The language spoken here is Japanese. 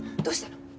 どうしたの？